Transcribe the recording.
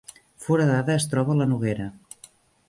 Foradada es troba a la Noguera